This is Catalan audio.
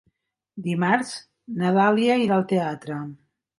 Dimarts na Dàlia irà al teatre.